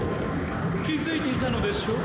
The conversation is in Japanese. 気付いていたのでしょう？